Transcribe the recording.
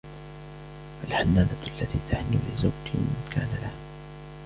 فَالْحَنَّانَةُ الَّتِي تَحِنُّ لِزَوْجٍ كَانَ لَهَا